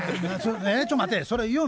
えっちょう待ってそれよう